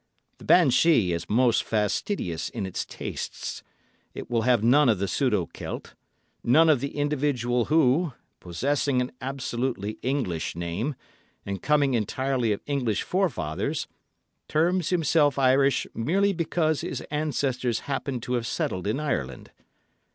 "The banshee is most fastidious in its tastes—it will have none of the pseudo celt; none of the individual who, possessing an absolutely English name, and coming entirely of English forefathers, terms himself Irish merely because his ancestors happen to have settled in Ireland.